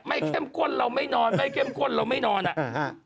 ไม่เข้มข้นเราไม่นอนไม่เข้มข้นเราไม่นอนน่ะ